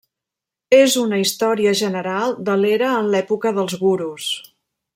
És una història general de l'era en l'època dels Gurus.